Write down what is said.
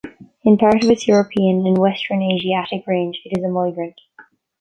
In part of its European and western Asiatic range it is a migrant.